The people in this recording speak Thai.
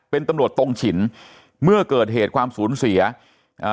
เป็นตำรวจตรงฉินเมื่อเกิดเหตุความสูญเสียอ่า